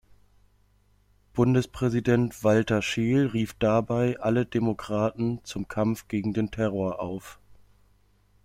Bundespräsident Walter Scheel rief dabei „alle Demokraten zum Kampf gegen den Terror“ auf.